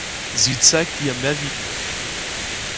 Sie zeigt ihr mehr Video.